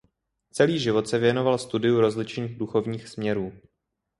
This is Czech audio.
Celý život se věnoval studiu rozličných duchovních směrů.